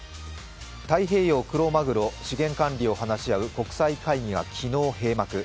太平洋クロマグロ資源管理を話し合う国際会議が昨日閉幕。